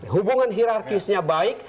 hubungan hirarkisnya baik